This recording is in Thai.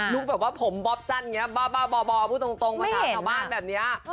ลูกแบบว่าผมบ๊อบสั้นบ้าพูดตรงมาถามข้างบ้านแบบนี้